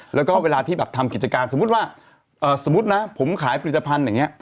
แล้วก็เวลาที่แบบทำกิจการสมมุติว่าเอ่อสมมุตินะผมขายปริศรัพยาพันธ์อย่างเงี้ย